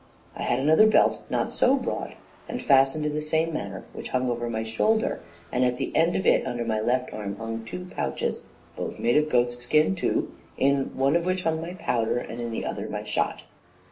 I had another belt not so broad, and fastened in the same manner, which hung over my shoulder, and at the end of it, under my left arm, hung two pouches, both made of goat's skin, too, in one of which hung my powder, in the other my shot.